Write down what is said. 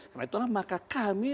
karena itulah maka kami